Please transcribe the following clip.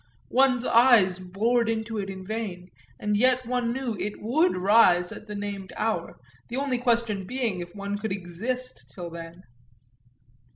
One's eyes bored into it in vain, and yet one knew it would rise at the named hour, the only question being if one could exist till then.